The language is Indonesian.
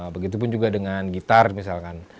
begitupun juga dengan gitar misalkan